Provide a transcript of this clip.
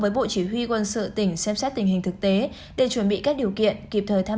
với bộ chỉ huy quân sự tỉnh xem xét tình hình thực tế để chuẩn bị các điều kiện kịp thời tham